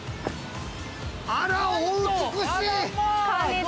あらお美しい！